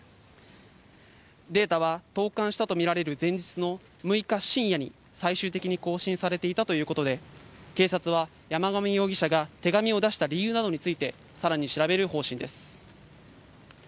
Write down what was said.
データは投かんしたと見られる前日の６日深夜に最終的に更新されていたということで、警察は山上容疑者が手紙を出した理由などについて、さらに調べる方針です。